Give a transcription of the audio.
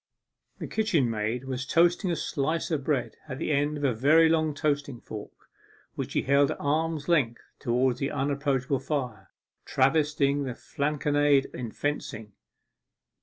The kitchen maid was toasting a slice of bread at the end of a very long toasting fork, which she held at arm's length towards the unapproachable fire, travestying the Flanconnade in fencing.